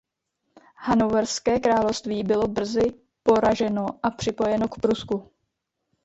Hannoverské království bylo brzy poraženo a připojeno k Prusku.